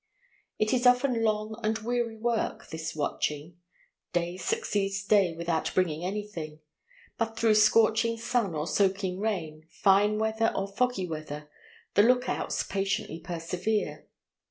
It is often long and weary work this watching. Day succeeds day without bringing anything: but through scorching sun or soaking rain, fine weather or foggy weather, the look outs patiently persevere.